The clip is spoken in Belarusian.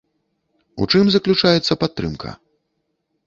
У чым заключаецца падтрымка?